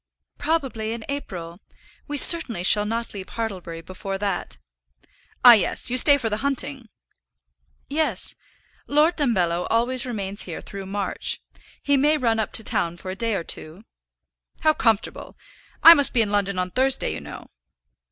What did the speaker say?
"Probably in April. We certainly shall not leave Hartlebury before that." "Ah, yes. You stay for the hunting." "Yes; Lord Dumbello always remains here through March. He may run up to town for a day or two." "How comfortable! I must be in London on Thursday, you know."